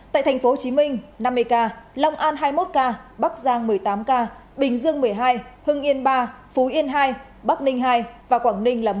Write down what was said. tại tp hcm năm mươi ca long an hai mươi một ca bắc giang một mươi tám ca bình dương một mươi hai hưng yên ba phú yên hai bắc ninh hai và quảng ninh là một ca